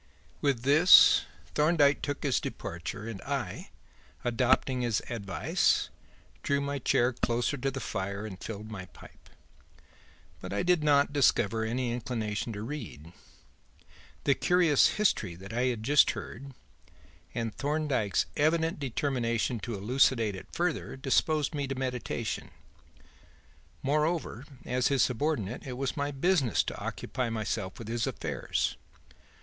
With this, Thorndyke took his departure; and I, adopting his advice, drew my chair closer to the fire and filled my pipe. But I did not discover any inclination to read. The curious history that I had just heard, and Thorndyke's evident determination to elucidate it further, disposed me to meditation. Moreover, as his subordinate, it was my business to occupy myself with his affairs.